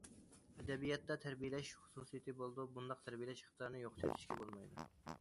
ئەدەبىياتتا تەربىيەلەش خۇسۇسىيىتى بولىدۇ، بۇنداق تەربىيەلەش ئىقتىدارىنى يوقىتىۋېتىشكە بولمايدۇ.